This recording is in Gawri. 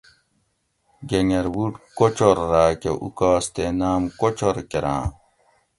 گۤنگربُوٹ کوچور راۤکہ اُوکاس تے نام کوچور کۤراں